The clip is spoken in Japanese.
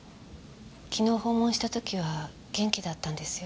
昨日訪問した時は元気だったんですよ。